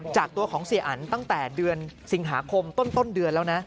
จากตัวของเสียอันตั้งแต่เดือนสิงหาคมต้นเดือนแล้วนะ